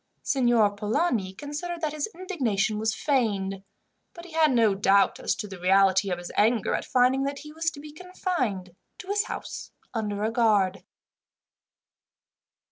Signor Polani considered that his indignation was feigned, but he had no doubt as to the reality of his anger at finding that he was to be confined to his house under a guard.